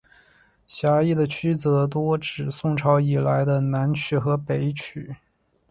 狭义的曲则多指宋朝以来的南曲和北曲。